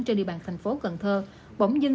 trên địa bàn thành phố cần thơ bỗng dưng